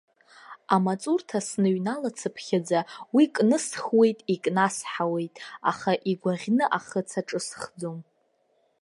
Амаҵурҭа сныҩналацыԥхьаӡа уи кнысхуеит, икнасҳауеит, аха игәаӷьны ахыц аҿысхӡом.